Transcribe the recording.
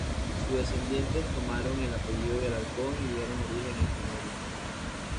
Sus descendientes tomaron el apellido de Alarcón y dieron origen a este nuevo linaje.